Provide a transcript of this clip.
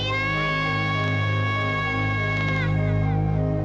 itulah hal wa puisme